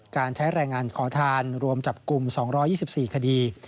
การใช้แรงงานขอทานรวมจับกลุ่ม๒๒๔คดี